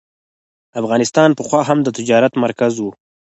افغانستان پخوا هم د تجارت مرکز و.